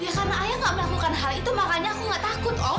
ya karena ayah gak melakukan hal itu makanya aku gak takut oh